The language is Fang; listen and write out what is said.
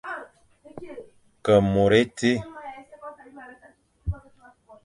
Ke môr étie.